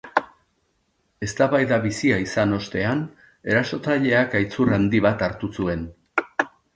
Eztabaida bizia izan ostean, erasotzaileak aitzur handi bat hartu zuen.